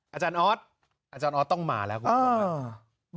อาจารย์ออสต้องมาแล้วครับ